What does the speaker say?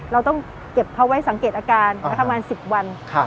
เราต้องเก็บเขาไว้สังเกตอาการประมาณ๑๐วัน